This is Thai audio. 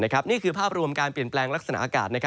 นี่คือภาพรวมการเปลี่ยนแปลงลักษณะอากาศ